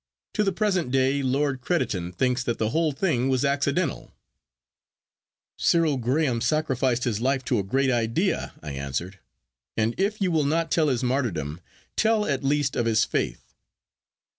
To the present day Lord Crediton thinks that the whole thing was accidental.' 'Cyril Graham sacrificed his life to a great Idea,' I answered; 'and if you will not tell of his martyrdom, tell at least of his faith.